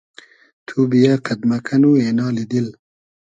تو بییۂ قئد مۂ کئنو اېنالی دیل